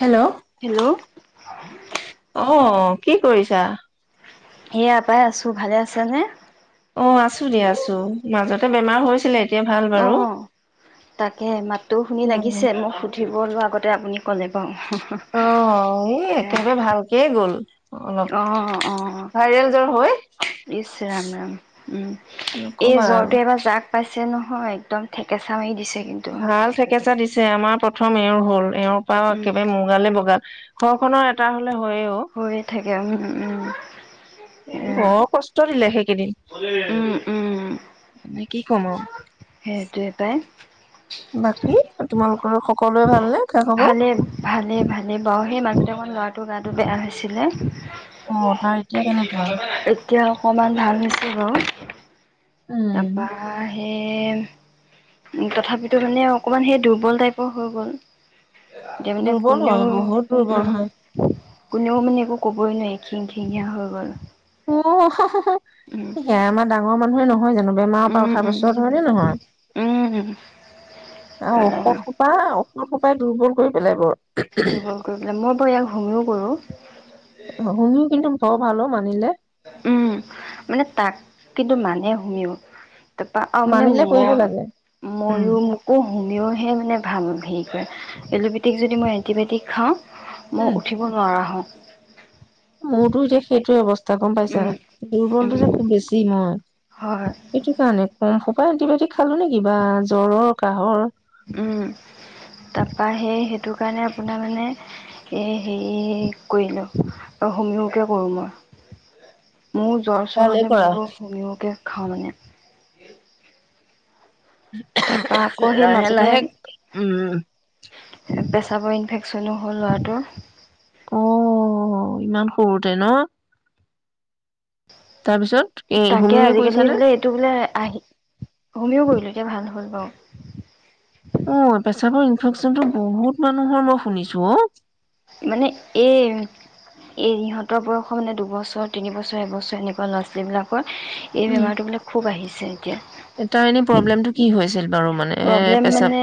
Hello hello অ কি কৰিছা? এয়া পাই আছো ভালে আছা নে অ আছো দে আছো মাজত বেমাৰ হৈছিলে এ অ তাকে মাতটোও শুনি উম লাগিছে মোক সুধিব লোৱা আগতে আপুনি ক'লে বাৰু অ এই একেবাৰে ভালকেই গ'ল অ অলপ অ ভাইৰেল জ্বৰ হৈ ইচ ৰাম ৰাম উম এই নকবা আৰু জ্বৰটোৱে এবাৰ যাক পাইছে নহয় একদম থেকেচা মাৰি দিছে কিন্তু ভাল থেকেছা দিছ তে আমাৰ প্ৰথম এওঁৰ হ'ল এওঁৰ পৰা উম একেবাৰে মোৰ গালে বগাল ঘৰখনৰ এটা হ'ল লে হয় অও এয়া উম বৰ কষ্ট দিলে সেই উম উম উ মানে কি ক'ম আৰু সেইটোৱে পাই বাকী তোমালোকৰ সকলোৱে ভালনে খা খবৰ ভালে ভালেই ভালে বাও সেই মাজতে অকমান ল'ৰাটো ৰ গাটো বেয়া হৈছিলে অ তাৰ এতিয়া কেনেকোৱা? এতিয়া অকমান ভাল হৈছে বাৰু উম তাপাই সেই তথাপিতো মানে অকমান সেই দুৰ্বল টাইপৰ হৈ গ'ল যে মানে দুৰ্বল কোনেও হয় বহুত দুৰ্বল হয় উম কোনেও মানে একো কব'ই নোৱাৰি খিং খিঙিয়া হৈ গ'ল অ হহু উম, সেয়াই আমাৰ ডাঙৰ মানুহে নহয় হয় জানো বেমাৰৰ পৰা উম, উঠাৰ পিছত হয়নে নহয় উম, আৰু উম, ঔষধ খোপা মোক সোপাই দুৰ্বল কৰি পেলাই বৰ দুৰ্বল কৰি পেলাই মই বাৰ ইয়াক ঘুমিও কৰো শুনো কিন্তু একদম খ ভালো মানিলে উম মানে তাক কিন্তু মানে শুনিও তাৰপা অ মানে মানিলে মই কৰিব লাগে উম ময়ো মোকো শুনিওহে মানে ভাল হেৰি কৰে এলোপেটিক যদি মই এণ্টিবায়টিক খাওঁ উম মই উঠিব নোৱাৰা হও মোৰতো এতিয়া সেইটোয়ে অৱস্থা তাগম পাইছা উম, দুৰ্বলটো উম, যে খুব বেছি মই হয়, সেইটো কাৰণে কম ক এণ্টিবায়টিক খালো নে কিব বা জ্বৰৰ কাঁহৰ উম তাৰাপা সেই সেইটো কাৰণে আপোনাৰ মানে এ হেৰি কৰিলো হমিকে কৰো মই মোৰো জ্বৰ চ্বৰ ভালেই হ'লে কৰা ময়ো শুনওকে খাওঁ মানে তাৰপৰা আকৌ সেই লাহে মাজতে লাহেক উম পেচাবৰ ইনফেক্যনো হ'ল ল'ৰাটোৰ অঁঅ ইমান সৰুতে ন তাৰপিছত এ তাকে হোমিয়ে আজিকালি কৰিছানে? বোলে এইটো বোলে আহি সমমিও কৰিলোঁ বাও এতিয়া ভাল হ'ল বাৰু প্ৰশ্ন তো বহুত মানুহৰ মই শুনিছো অ মানে এই এই ইহঁতৰ বয়সৰ মানে দুবছৰ তিনিবছৰ এবছৰ এনেকুৱা ল'ৰা ছোৱালী বিলাকৰ এই উম বেমাৰটো বিলাক খুব আহিছে এতিয়া তাৰ এনে প্ৰব্লেমটো কি হৈছিল বাৰু মানে এ প্ৰব্লেম পেচাব মানে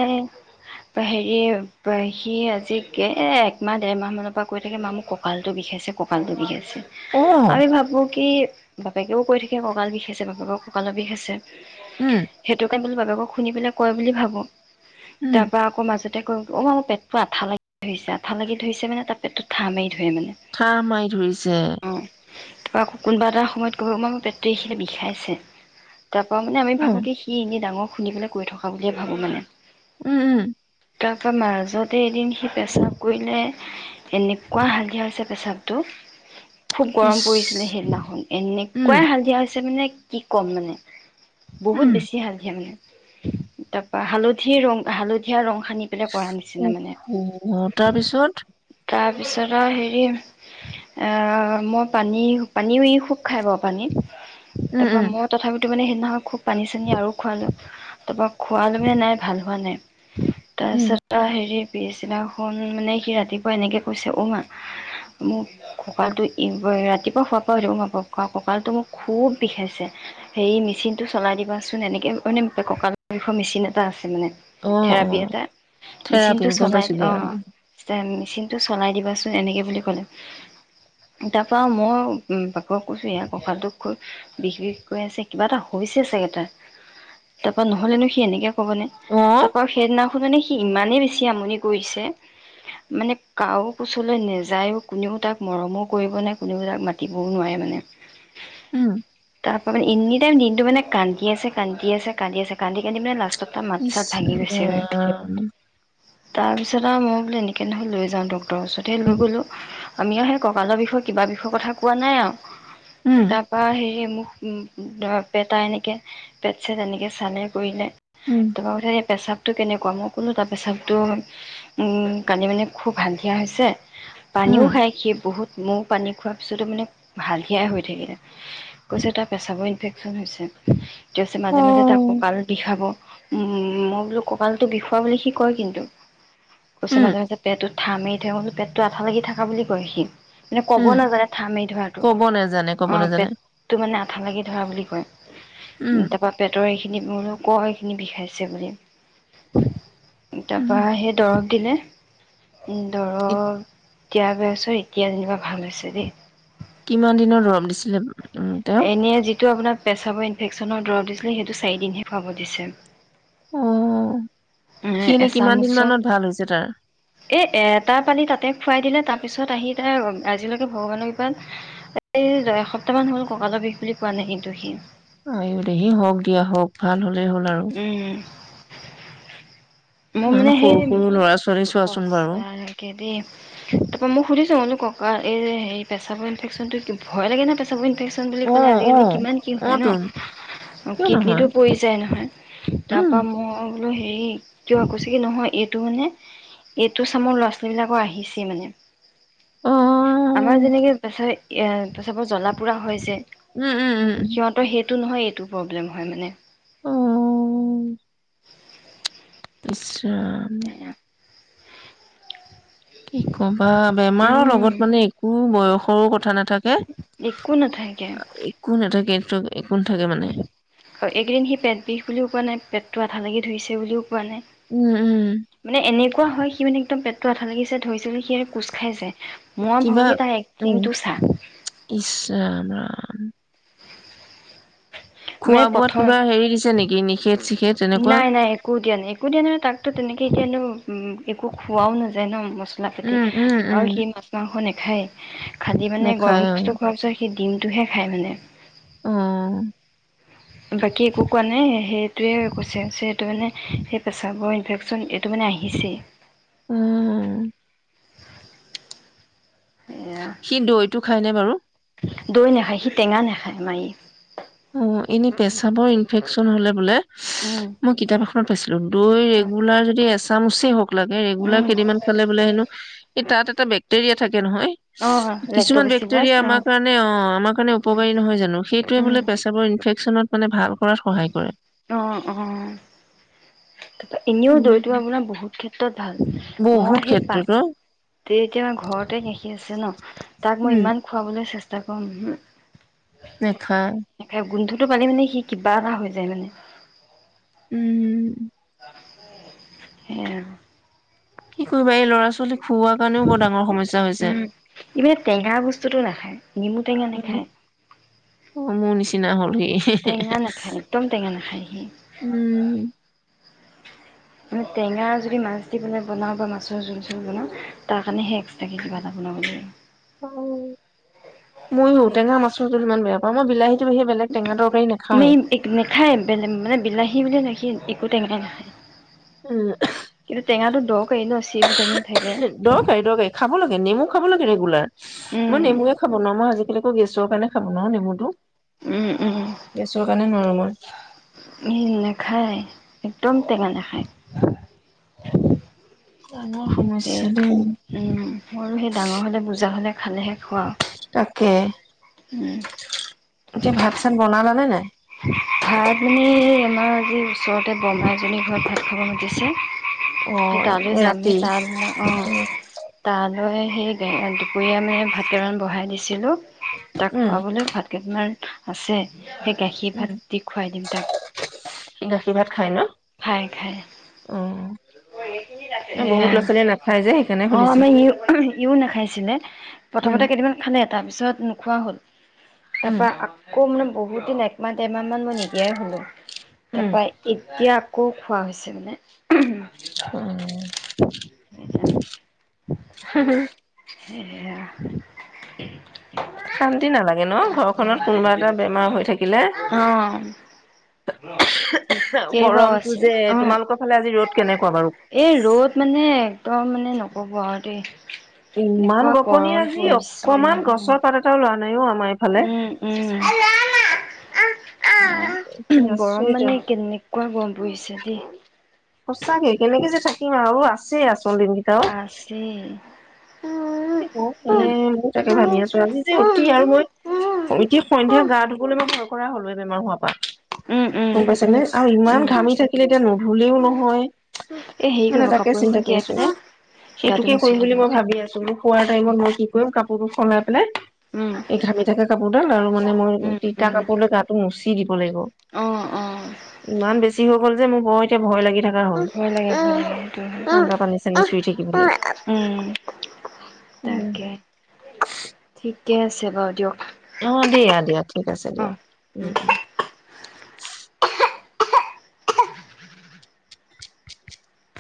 হেৰি পৰা সি আজিকে একমাহ ডেৰ মাহ মানৰ পৰা কৈ থাকে মা মোক কঁকালটো বিষাইছে কঁকালটো বিষাইছে অ আমি ভাবো কি বাপকেও কৈ থাকে কঁকাল বিষ আছে বাপেকৰ কঁকালৰ বিষ আছে উম সেইটো কাৰণ বাপেকক শুনিলাক কয় বুলি ভাবোঁ উম তাপা আকৌ মাজতে কয় অ মা মোৰ পেট আঠা লাগি ধৈছে আঠা লাগি ধৰিছে মানে ত পেতটো ধামে খাৰ মাৰি ধৰিছে তাৰ আকৌ কোনোবা এটা সময়ত ক'ব পেট এখিনিত বিষাইছে তাৰ পৰা মানে আমি উম ভোবো কি সি এনে ডাঙৰ শুনবলৈ কৈ থওঁ পাওঁ বুলিয়ে ভাবোঁ মানে উম উম তাৰপৰা মাজতে এদিন সি পেচাব কৰিলে এনেকুৱা হালধিয়া হৈছে পেচাবটো খুব ইচ গৰম পৰিছিলে সেইদিনাখন উম এনেকুৱাই হালধিয়া হৈছে মানে কি কম মানে বহুত উম বেছি হালধিয়া মানে [inaudible] তাৰপা হালধি ৰং হালধীয়া ৰং সানি পেলাই কৰা নিচিনা উ মানে তাৰপিছত তাৰপিছত আৰু হেৰি মই পানী পানীও খুব খাই বাৰু ই পানী উম তাৰ পৰা উম মই তথাপিতো মানে নহয় খুব পানী চানী আৰু খোৱালোঁ তাৰপৰা খোৱালে নাই ভাল হোৱা নাই উম তাৰপিছত হেৰি পিছদিনাখন মানে সি ৰাতিপুৱা এনেকৈ কৈছে অ মা মোক কঁকালটো ৰাতিপুৱা শোৱাৰ পৰা কঁকালটো মোক খুব বিষাই মেচিনটো চলাই দিবাচোন মেছিন এটা আছে অ অ থেৰাপি এটা থেৰাপি মেচিনটো গম চলাই পাইছো অ দিয়া মেচিনটো চলাই দিবাচোন এনেকে বুলি ক'লে তাৰ পৰা মই বাপেকক কৈছো ইয়াৰ ককালটো খুব বিষ বিষ কৈ আছে কিবা এটা হৈছে চাগে তাৰ নহলেনো সি এনেকে হ'বনে অ তাৰপা সেইদিনা মানে সি ইমানেই বেছি আমনি কৰিছে মানে কাৰো কোচলৈ নাযায়ো কোনেও তাক মৰমো কৰিব নোৱাৰে কোনেও তাক মাতিবও নোৱাৰে মানে উম তাৰপৰা মানে এনি টাইম দিনটো মানে কান্দি এ আছে কান্দি আছে কান্দি আছে কান্দি কান্দি মানে তাৰ মাত নি চাত ভাঙি গৈছেগৈ [unintelligible] তাৰপিছত আৰু মই বোলে এনেকৈ নহ'য় লৈ যাওঁ তাৰ পাছতে মই বোলো ডক্টৰৰ ওচৰতে লৈ গ'লো আমি আৰু সেই কঁকালৰ বিষয়ে কিবা বিষয়ে কথা কোৱা নাই উম আৰু তাৰ পৰা হেৰি মোক উম বেটা এনেকে পেট চেট এনেকে চালে কৰিলে উম তই হে পেচাব টো কেনেকুৱা মই ক'লো তাৰ পেচাপটো কালি মানে খুব হালধিয়া হৈছে। পানীও উম খাই সি বহুত মইও পানী খোৱাৰ পিছতো মানে হালধীয়াই হৈ থাকিলে কৈছে তাৰ পেচাবৰ ইনফেক্যচন হৈছে। তেওঁছে মাজে অ মাজে তাক আৰু বিষাব উ মই বোলো কঁকালতটো বিষুৱ বুলি সি কয় কিন্তু কৈছে উম মাজে মাজে পেটটো ঠা মাৰি থা পেটটো আঠা লাগি থাকা বুলি কয় সি মানে ক'ব উম নাজানে ঠা মাৰি ধৰাটো ক'ব নেজানে ক'ব অ নেজানে পেটটো মানে আঠা লাগি ধৰা বুলি কয় উম উ তাৰ পৰা পেটৰ মোক ক এইখিনি বিষাইছে বুলি উম তাৰপা সেই দৰৱ দিলে। ধৰক এতিয় বৈছৰ এতিয়া যেনিবা ভাল হৈছে দেই কিমান দিনৰ দৰপ দিছিলে উম তেওঁ এনেই যিটো আপোনাৰ পেচাব ইনভেক্যনৰ দৰৱ দিছিলে সেইটো চাৰিদিনহে খুৱাব দিছে। অ এ সি এনে কিমান দিন এচামুচত মানত ভাল হৈছে তাৰ? এ এটা পালী তাতে খুৱাই দিলে তাত তাৰপিছত আহি তাৰ আজিলৈকে ভগৱানৰ কৃপাত এই এসপ্তাহমান হ'ল কঁকালৰ বিষ বুলি পোৱা নাই কিন্তু সি আহ দেহি হওক দিয়া হওক ভাল হল হলেই আৰু। উম মই ইমান মানে সৰু সেই সৰু ল'ৰা ছোৱালী চোৱাচোন বাৰু। সচাকে দেই তাৰাপা মোক সুধিছো অলোকক কাৰ এই হেৰি পেচাবোৰ ইনেক্যনটো কি ভয় লাগে না পেচাবোৰ ইনফেকচন বুলি ক'লে অ', আজিকালি অ', কিমান কি হয় অ', ন তোন কিয় নহয় কিডনীটো পৰি যায় নহয় তাৰ উম, পৰা মই বোলো হেৰি কিয় কৈছে কি নহয় এইটো মানে এইটো চামৰ ল'ৰা ছোৱালী বিলাকৰ আহিছে মানে অ', আমাৰ যেনেকে বেছ ত চাপত জ্বলা পোৰা হৈছে উম উম উম এইটো নহয় এইটো প্ৰব্লেম হয় মানে উম ইছৰাম কি কবা বেমাৰৰ উম লগত মানে একো বয়স সৰু কথা না থাকে একো একো নাথাকে ত হয় এইকেইদিন সি পেট বিষ বুলিও কোৱা নাই পেটটো ভালকে ধৰিছে বুলিও? ৱা নাই উম, উম, মানে এনে। ৱা সি একদম পেটটো আঠা লাগিছে ধৰিছিল সিৰে কোচ খাই যে? মই ভাবো কিবা কি তাৰ এক্টিংটো চা। ইচ ৰাম উম খোৱা মানে বোৱাত পথৰ কিবা হেৰি দিছে নেকি নিষেধ চিষেধ তেনেকুৱা? নাই নাই একো দিয়া নাই একো দিয়া নাই মানে তাকতো তেনেকে? ত কি যেনো একো খোৱাও নাযায় ন মস। মছলা পাতি উম, উম, অ উম। সি মছলা খন। নেখায়। খালি মানে গৰম নাখায় বস্তু খোৱাৰ পিছত সি দিম। টোহে খায় মানে? উম বাকী একো কোৱা নাই সেইটোৱে কৈছে ছে এইটো মানে সেই পেচাবৰ ইনফেকচন এইটো মানে আহিছেই? উম এয়া সি দৈটো খায়নে বাৰু? দৈ নাখায় সি টেঙা নাখায় মাৰি? অ এনে পেছাবৰ ইনফেকচন হলে বোলে? উম মই কিতাপত আ। অ পাইছো? দৈ হয় ৰেগুলাৰ যদি আছে? এচামুচে হওক? লাগে ৰেগুলাৰ উম কেইদিনমান খালে বোলে হেনো এই তাত। টা বেক্টেৰিয়া থাকে? নহয় অ কিছুমান লেক্ট'বেচিলাছ বেক্টেৰিয়া অ আমাৰ কাৰণে অ আমাৰ কাৰণে উপকাৰী নহয় জানো সেইটোৱে উম বোলে? ইনফেকচনত মানে ভাল? কৰাত সহায় কৰে। অ অ তাৰপা এনেও উম, দৈতো আপোনাৰ বহুত ক্ষেত্ৰত ভাল মই বহুত সেই ক্ষেত্ৰত পাত অ', তে এতিয়া ঘৰতে গাখীৰ আছে ন তাক মই উম, ইমান খোৱাবলৈ চেষ্টা? কৰো নহয়? নেখায়? সেইটো পালিম নেকি? কিবা এটা হৈ যায় মানে? উম উম। সেই আৰু। কি কৰিবা এই ল'ৰা ছোৱালী? খোওৱা কাৰণেও বৰ ডাঙৰ সমস্যা হৈছে উম ই মানে টেঙা বস্তুটো নাখায় নেমু টেঙা নাখায় অ মোৰ নিচিনা হল সি টেঙা নাখায় একদম টেঙা নাখায় সি উম? মানে টেঙা যদি মাছ দি পিনি বনাওঁ বা মাছৰ জোল চোল বনাওঁ তাৰ কাৰণে সেই এক্সট্ৰাকৈ কিবা এটা বনাব লাগিব? ময়ো টেঙা মাছৰ জোল ইমান বেয়া পাওঁ মই বিলাহীত। ই এক নাখায়, বেলেগ মানে বিলাহী বুলি নেখা একো টেঙাই নেখায় উ ন চি ভিটামিন থাকে দৰকাৰী দৰকাৰী খাব লাগে নেমু খাব লাগে, ৰেগুলাৰ মই নেমুৱে উম খাব নোৱাৰো মই আজিকালি। গেছৰ কাৰণে খাব নোৱাৰো নেমুটো। উম উম গেছৰ কাৰণে নোৱাৰো মই। নাখায় একদম টেঙা নাখায় ডাঙৰ সে সমস্যা দেই। উম মৰু সেই ডাঙৰ হলে বুজা হলে খালেহে খোৱাওঁ। তাকে, এতিয়া ভাত- চাত বনালালে নাই? ভাত মানে এইয়া আমাৰ আজি ওচৰতে বমা এজনীৰ ঘৰত ভাত খাব মাতিছে। অ', তালৈ এই যাম হে, ৰাতি তাত অ তালৈ সেই দুপৰীয়া মানে ভাতকেইটান বহাই দিছিলোঁ। তাক উম, খুৱাবলে ভাত কেইটমান। আছে। গাখীৰ ভাত উম, দি খুৱাই দিম তাক। গাখীৰ ভাত খাই ন? খাই খাই। অ', সে বহুত ল'ৰা ছোৱালীয়ে নাখায় যে সেইকাৰণে অ সুধিছোঁ, আমাৰ ই ইও নাখাইছিলে উম, প্ৰথমতে কেইদিনান খালে তাৰপিছত নোখোৱা হ'ল। উম, তাৰপা আকৌ মানে, বহুদিন এক। মান দেৰমান মান মই নিদিয়াই হ'লো। তাৰ উম। পৰাৰা ই এতিয়া আকৌ খোৱা হৈছে মানে অ। [unintelligible] উ হু হু হু সয়া শান্তি নালাগে ন ঘৰখনত কোনোবা এটা বেমাৰ হৈ থাকিলে অ' ঠিকেই বাৰু গৰমটো আছে যে অ'। তোমালোকৰ ফালে আজি ৰ'দ কেনেকুৱা বাৰু? এই ৰ'দ মানে একদম মানে নকব আৰু দেই। ইমান এনেকুৱা গপনি গৰম আজি পৰিছে অকমান নহয়। গছৰ পাত এটা ল ৰা নাই। নাইও আমাৰ এইফালে। উম, উম, গৰম আচৰিত মানে আৰু কেনে কোৱা গম পুৰিছে দেই। সঁচাকে কেনেকে যে থাকিম আৰু আছে আছো। আছেই। মানে মই তাকে ভাবি আছোঁ আজি যে অতি আৰু মই উম, অতি সন্ধ্যা উম। গা ধুবলৈ মই ভাল। কৰা হ'লে বেমাৰ হোৱাৰ পৰা। উম, উম, গম পাইছা নে আৰু ইমান উম। ঘামি থাকিলে থাকিলে এতিয়া। ভুলেওঁ নহয়। এ হেৰি মানে কৰিব তাকে কাপোৰ চিন্তা এখন কৰি তিয়াই আছোঁ। পেলাই গাটো সেইটোকে মুচি কৰিম বুলি ল'ব। মই ভাবি আছোঁ। খোৱা টাইমত কি কৰিম কাপোৰ। সেইটো সলাই উম, পেলাই উম, এই ঘামি থকা কাপোৰডাল আৰু মানে মই তিতা উম, কাপোৰ লৈ গাটো মুচি। কি হ'ব অ', অ'। ইমান বেছি হৈ গ'ল। যে মোৰ বৰ এতিয়া ভয় লাগে। ভয় লাগে মানে এইটোৱে পানী চানী চুই থাকিবলৈ। হয় উম্। উম, তাকে ঠিক। ঠিকে আছে বাৰু দিয়ক। অ দিয়া দিয়া ঠিক আছে দিয়া অ', উম। উম্ উম্। [inaudible]